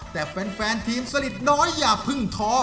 แต่แฟนทีมสลิดน้อยอย่าเพิ่งท้อ